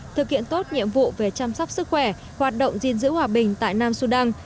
thực hiện tốt nhiệm vụ về chăm sóc sức khỏe hoạt động gìn giữ hòa bình tại nam sudan